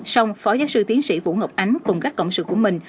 xong phó giáo sư tiến sĩ vũ ngọc ánh cùng các cộng sự của mình